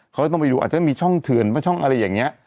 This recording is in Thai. เขาก็ต้องไปดูอาจจะมีช่องเถื่อนช่องอะไรอย่างนี้